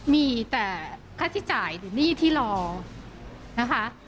มีแต่ค่าใช้จ่ายหรือหนี้ที่รอนะคะ